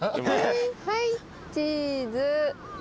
はいチーズ。